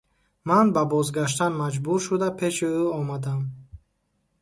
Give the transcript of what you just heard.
Ман ба бозгаштан маҷбур шуда пеши ӯ омадам.